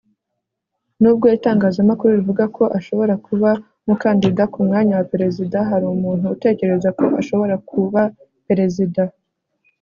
Nubwo itangazamakuru rivuga ko ashobora kuba umukandida ku mwanya wa perezida hari umuntu utekereza ko ashobora kuba perezida